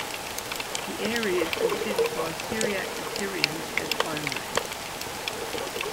The area is considered by Syriac-Assyrians as 'homeland'.